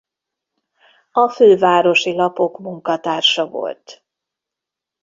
A Fővárosi Lapok munkatársa volt.